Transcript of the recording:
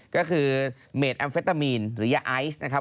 ก็คือเมดแอมเฟตามีนหรือยาไอซ์นะครับ